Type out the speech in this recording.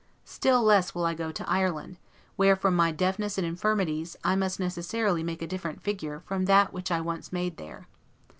Still less will I go to Ireland, where, from my deafness and infirmities, I must necessarily make a different figure from that which I once made there.